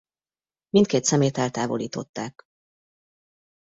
Mindkét szemét eltávolították.